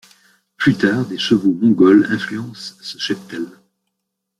Plus tard, des chevaux mongols influencent ce cheptel.